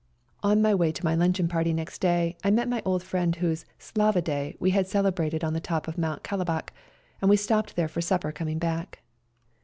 On my way to my limcheon party next day I met my old friend whose " Slava SERBIAN CHRISTMAS DAY 175 day " we had celebrated on the top of Mount Kalabac, and stopped there for supper coming back.